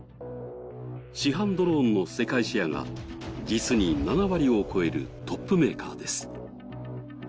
市販ドローンの世界シェアが実に７割を超えるトップメーカーです。